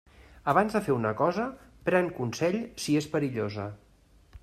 Abans de fer una cosa, pren consell si és perillosa.